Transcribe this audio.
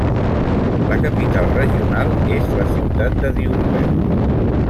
La capital regional és la ciutat de Diourbel.